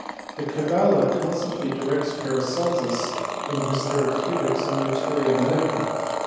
The Cabala constantly directs Paracelsus in his therapeutics and materia medica.